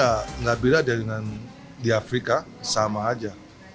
rasanya gak beda dengan di afrika sama aja